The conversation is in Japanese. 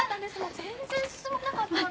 全然進まなかった私。